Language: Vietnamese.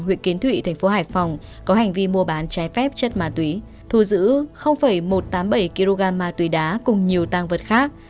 huyện kiến thụy thành phố hải phòng có hành vi mua bán trái phép chất ma túy thu giữ một trăm tám mươi bảy kg ma túy đá cùng nhiều tăng vật khác